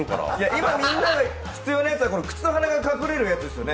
今、みんなが必要なやつは口と鼻が隠れるやつですよね。